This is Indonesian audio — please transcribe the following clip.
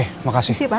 terima kasih ya biasanya